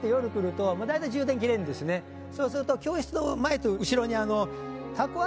そうすると教室の前と後ろに。